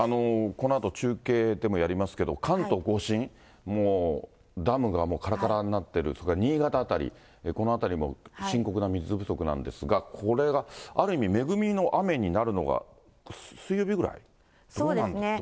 このあと中継でもやりますけど、関東甲信もダムがからからになってる、それから新潟辺り、この辺りも深刻な水不足なんですが、これがある意味、恵みの雨にそうですね。